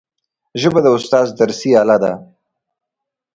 ژبه د استاد درسي آله ده